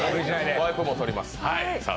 ワイプも撮りますから。